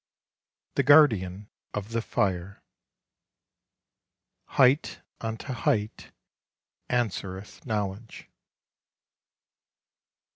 THE GUARDIAN OF THE FIRE '^'' Height unto height answereth knoivledge."